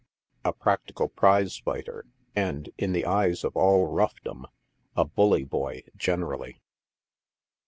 a practical prize fighter, and, in the eyes of all "roughdom," a "bully boy" gen erally.